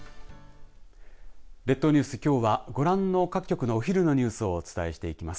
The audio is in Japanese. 列島ニュース、きょうはご覧の各局のお昼のニュースをお伝えしていきます。